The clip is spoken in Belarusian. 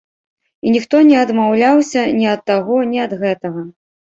І ніхто не адмаўляўся ні ад таго, ні ад гэтага.